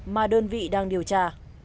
mà đơn vị đang điều tra